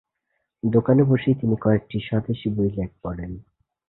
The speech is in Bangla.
দোকানে বসেই তিনি কয়েকটি স্বদেশী বই পড়েন।